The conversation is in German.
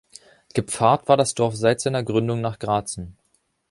Gepfarrt war das Dorf seit seiner Gründung nach Gratzen.